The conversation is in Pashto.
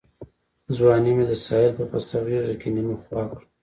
ځواني مي د ساحل په پسته غېږ کي نیمه خوا کړه